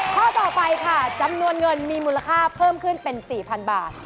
ข้อต่อไปค่ะจำนวนเงินมีมูลค่าเพิ่มขึ้นเป็น๔๐๐๐บาท